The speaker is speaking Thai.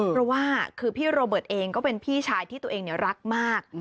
เพราะว่าคือพี่โรเบิร์ตเองก็เป็นพี่ชายที่ตัวเองรักมาก